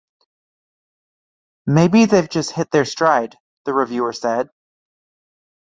"Maybe they've just hit their stride," the reviewer said.